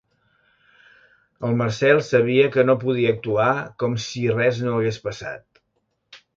El Marcel sabia que no podia actuar com si res no hagués passat.